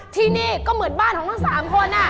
ที่นี่ก็เหมือนบ้านของทั้ง๓คน